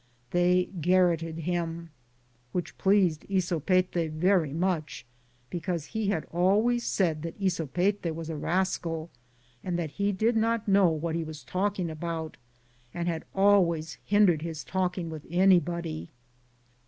They garroted him, which pleased Ysopete very much, because he had always said that Ysopete was a rascal and that he did not know what he was talking about and had always hindered his talking with anybody.